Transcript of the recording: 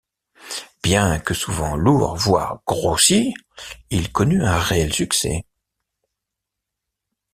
Bien que souvent lourd, voire grossier, il connut un réel succès.